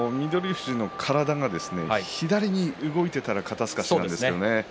富士の体が左に動いていたら肩すかしなんですよね